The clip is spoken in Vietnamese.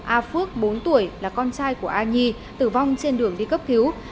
a phước bốn tuổi là con trai của a nhi tử vong trên đường đi cấp cứu